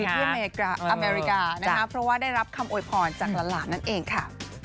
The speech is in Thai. ที่อเมริกานะคะเพราะว่าได้รับคำโวยพรจากหลานนั่นเองค่ะ